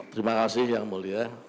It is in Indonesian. terima kasih yang mulia